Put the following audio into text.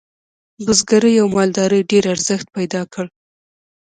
بزګرۍ او مالدارۍ ډیر ارزښت پیدا کړ.